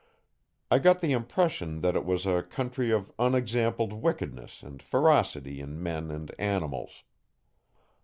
I got the impression that it was a country of unexampled wickedness and ferocity in men and animals.